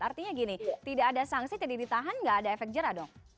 artinya gini tidak ada sanksi tidak ditahan nggak ada efek jerah dong